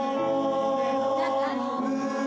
「中に」